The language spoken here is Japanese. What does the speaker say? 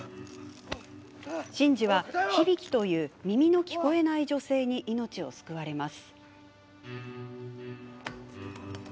真治は、響という耳の聞こえない女性に命を救われます。